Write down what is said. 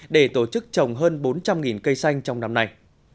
để tổ chức trồng hơn bốn trăm linh cây xanh trong năm nay